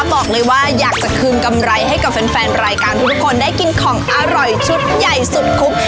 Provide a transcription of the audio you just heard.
บอกเลยว่าอยากจะคืนกำไรให้กับแฟนรายการทุกคนได้กินของอร่อยชุดใหญ่สุดคุก